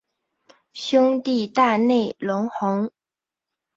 兄弟大内隆弘。